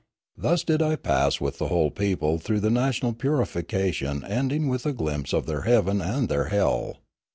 Thus did I pass with the whole people through the national purification ending with a glimpse of their heaven and their hell.